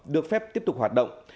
được phép tiếp tục hoạt động